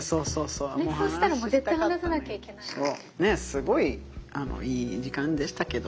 「すごいいい時間でしたけど」